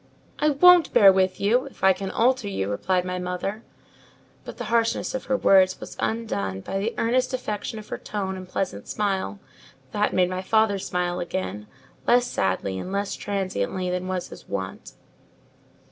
"I won't bear with you, if I can alter you," replied my mother: but the harshness of her words was undone by the earnest affection of her tone and pleasant smile, that made my father smile again, less sadly and less transiently than was his wont.